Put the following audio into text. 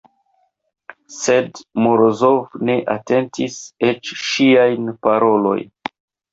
Sed Morozov ne atentis eĉ ŝiajn parolojn.